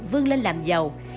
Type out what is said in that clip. vươn lên làm giàu